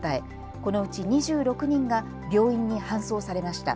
このうち２６人が病院に搬送されました。